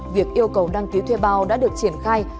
việc yêu cầu đăng ký thuê bao đã được triển khai